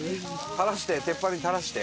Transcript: たらして鉄板にたらして？